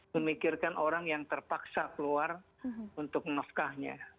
memikirkan orang yang terpaksa keluar untuk nafkahnya